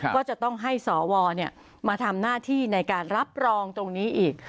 ก็จะต้องให้สวมาทำหน้าที่ในการรับรองตรงนี้อีก